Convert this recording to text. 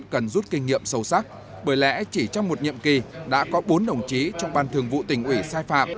cần rút kinh nghiệm sâu sắc bởi lẽ chỉ trong một nhiệm kỳ đã có bốn đồng chí trong ban thường vụ tỉnh ủy sai phạm